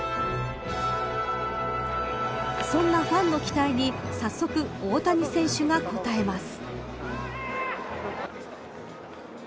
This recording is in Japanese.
そんなファンの期待に早速、大谷選手が応えます。